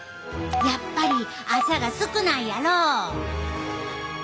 やっぱり朝が少ないやろ！